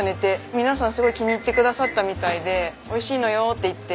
皆さんすごい気に入ってくださったみたいで「美味しいのよ」って言って。